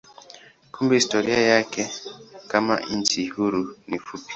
Kumbe historia yake kama nchi huru ni fupi.